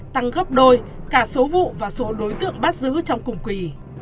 tăng gấp đôi cả số vụ và số đối tượng bắt giữ trong cùng kỳ